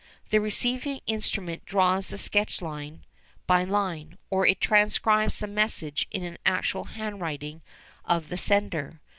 The receiving instrument draws the sketch line by line, or it transcribes the message in the actual handwriting of the sender.